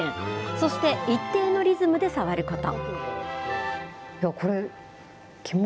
そして、一定のリズムで触ること。